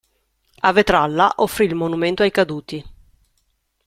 A Vetralla offrì il Monumento ai Caduti.